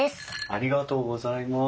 ありがとうございます。